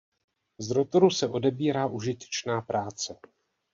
Z rotoru se odebírá užitečná práce.